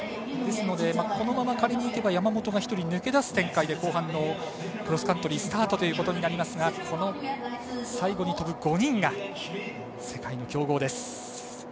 ですので、このまま仮にいけば山本が１人抜け出す展開で後半のクロスカントリースタートということになりますが最後に飛ぶ５人が世界の強豪です。